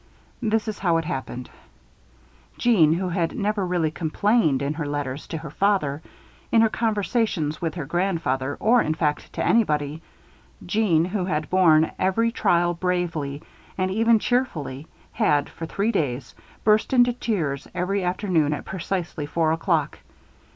This is how it happened. Jeanne, who had never really complained in her letters to her father, in her conversations with her grandfather, or in fact to anybody; Jeanne, who had borne every trial bravely and even cheerfully, had, for three days, burst into tears every afternoon at precisely four o'clock.